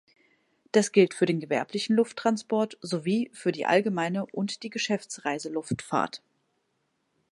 Das gilt für den gewerblichen Lufttransport sowie für die allgemeine und die Geschäftsreiseluftfahrt.